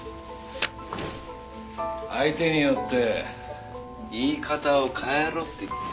相手によって言い方を変えろって言ってんだよ。